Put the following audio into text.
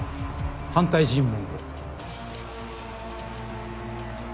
反対尋問を。